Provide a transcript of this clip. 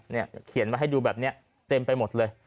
เขียนมาให้ดูแบบนี้เต็มไปหมดเลย